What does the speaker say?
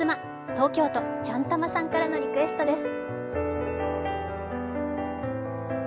東京都、ちゃん玉さんからのリクエストです。